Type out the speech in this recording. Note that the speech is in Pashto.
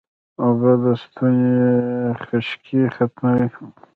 اوبه د ستوني خشکي ختموي